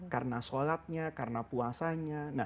karena sholatnya karena puasanya